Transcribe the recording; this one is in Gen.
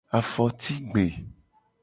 Afotigbe.